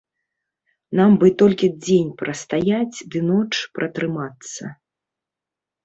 Нам бы толькі дзень прастаяць ды ноч пратрымацца.